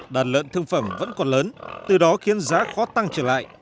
đàn lợn thương phẩm vẫn còn lớn từ đó khiến giá khó tăng trở lại